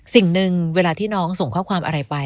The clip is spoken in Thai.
สิ่งหนึ่งเวลาที่น้องส่งข้อความอะไรไป